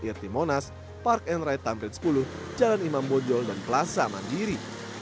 irt monas park and ride tamrin sepuluh jalan imam bojol dan plaza mandiri